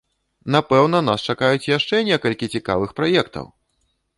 Напэўна, нас чакаюць яшчэ некалькі цікавых праектаў!